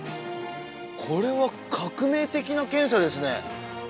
これは革命的な検査ですね